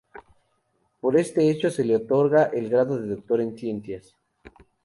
Por este hecho, se le otorga el grado de Doctor en Ciencias.